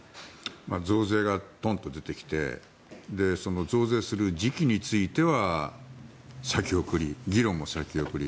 増税がどんと出てきて増税する時期については先送り、議論も先送り。